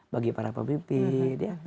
bagi para pemimpin ya